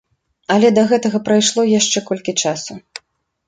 Але да гэтага прайшло яшчэ колькі часу.